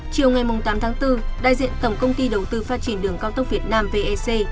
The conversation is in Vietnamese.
chiều ngày tám tháng bốn đại diện tổng công ty đầu tư phát triển đường cao tốc việt nam vec